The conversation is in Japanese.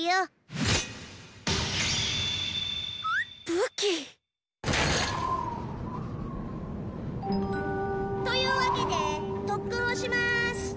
武器！というわけで特訓をします！